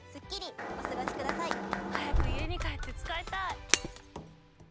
早く家に帰って使いたい！